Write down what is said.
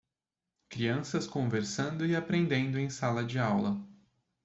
Crianças conversando e aprendendo em sala de aula.